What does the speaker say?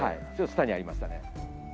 下にありましたね。